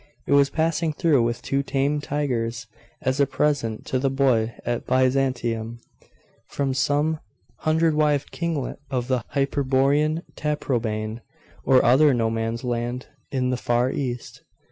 It was passing through with two tame tigers, as a present to the boy at Byzantium, from some hundred wived kinglet of the Hyperborean Taprobane, or other no man's land in the far East.